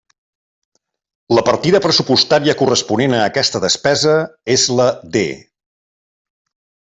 La partida pressupostària corresponent a aquesta despesa és la D.